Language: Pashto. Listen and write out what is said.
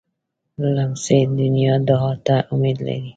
لمسی د نیا دعا ته امید لري.